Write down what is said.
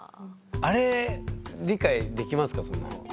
あれ理解できますか？